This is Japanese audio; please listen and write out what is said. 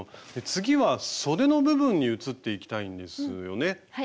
次はそでの部分に移っていきたいんですよね？